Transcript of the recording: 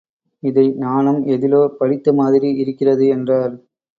இதை நானும் எதிலோ படித்த மாதிரி இருக்கிறது என்றார்.